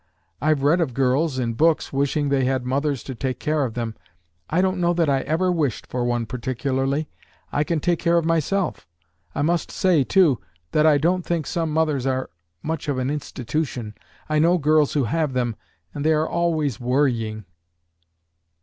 I've read of girls, in books, wishing they had mothers to take care of them. I don't know that I ever wished for one particularly. I can take care of myself. I must say, too, that I don't think some mothers are much of an institution. I know girls who have them, and they are always worrying."